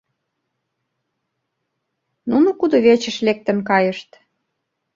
Нуно кудывечыш лектын кайышт.